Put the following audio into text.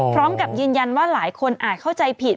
พร้อมกับยืนยันว่าหลายคนอาจเข้าใจผิด